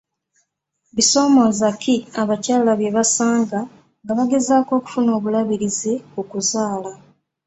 Bisomooza ki abakyala bye basanga nga bagezaako okufuna obulabirizi ku kuzaala?